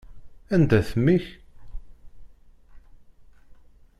Anda-t mmi-k?